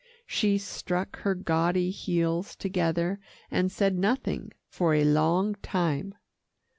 She struck her gaudy heels together, and said nothing for a long time.